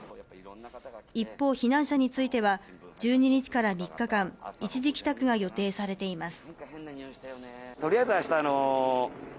一方、避難者については１２日から３日間一時帰宅が予定されています。